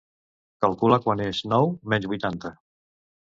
Calcula quant és nou menys vuitanta.